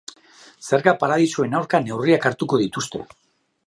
Zerga-paradisuen aurka neurriak hartuko dituzte.